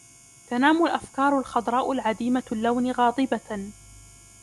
تنام الأفكار الخضراء العديمة اللون غاضبة.